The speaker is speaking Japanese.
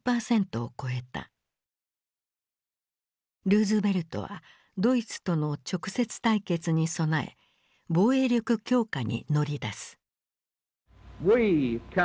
ルーズベルトはドイツとの直接対決に備え防衛力強化に乗り出す。